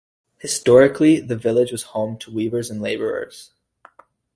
Historically the village was home to weavers and labourers.